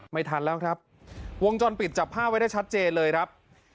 ไม่ทันแล้วครับวงจรปิดจับภาพไว้ได้ชัดเจนเลยครับ